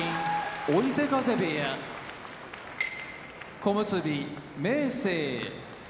追手風部屋小結・明生